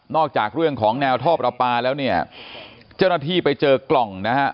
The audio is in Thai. จากเรื่องของแนวท่อประปาแล้วเนี่ยเจ้าหน้าที่ไปเจอกล่องนะฮะ